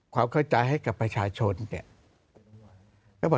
ความเข้าใจให้กับประชาชนเนี่ย